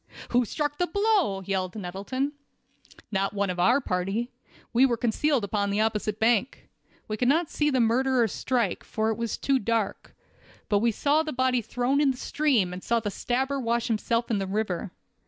"Who struck the blow?" yelled Nettleton. "No one of our party. We were concealed upon the opposite bank. We could not see the murderer strike, for it was too dark; but we saw the body thrown in the stream, and saw the stabber wash himself in the river.